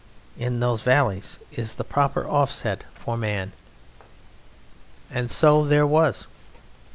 In those valleys is the proper off set for man. And so there was.